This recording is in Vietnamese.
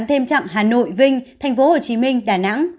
thêm trạng hà nội vinh tp hcm đà nẵng